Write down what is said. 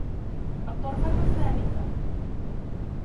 الطرفة الثالثة